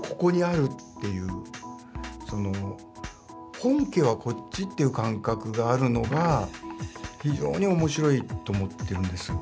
本家はこっちという感覚があるのが非常に面白いと思ってるんです。